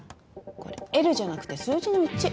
これｌじゃなくて数字の１。